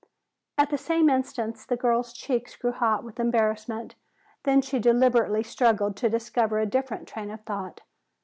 At the same instant the girl's cheeks grew hot with embarrassment. Then she deliberately struggled to discover a different train of thought.